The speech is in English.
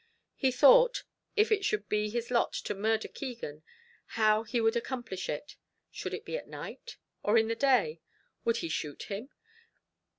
He thought, if it should be his lot to murder Keegan, how he would accomplish it. Should it be at night? or in the day? would he shoot him?